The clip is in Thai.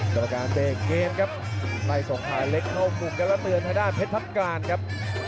ประการเด้งเกณฑ์ครับไล่ส่องขาเล็กเข้าคุมกันแล้วเตือนทะดานเพชรพักการครับ